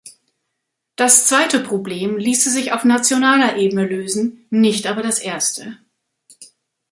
Das zweite Problem ließe sich auf nationaler Ebene lösen, nicht aber das erste.